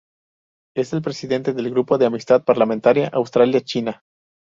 Es el presidente del Grupo de Amistad Parlamentaria Australia-China.